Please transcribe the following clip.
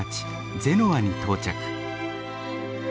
ゼノアに到着。